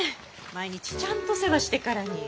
毎日ちゃんと世話してからに。